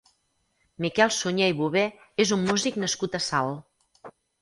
Miquel Sunyer i Bover és un músic nascut a Salt.